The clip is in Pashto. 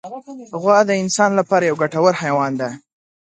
غوا د انسان له پاره یو ګټور حیوان دی.